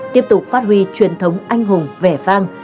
tiếp tục phát huy truyền thống anh hùng vẻ vang